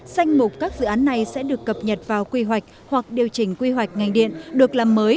danh mục các dự án này sẽ được cập nhật vào quy hoạch hoặc điều chỉnh quy hoạch ngành điện được làm mới